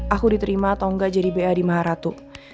aku diterima atau enggak jadi b a di maharatu